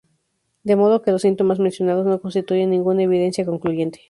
De modo que los síntomas mencionados no constituyen ninguna evidencia concluyente.